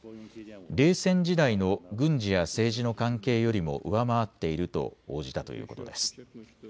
冷戦時代の軍事や政治の関係よりも上回っていると応じたということです。